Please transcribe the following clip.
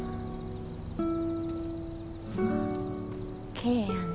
きれいやな。